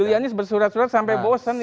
julianis bersurat surat sampai bosan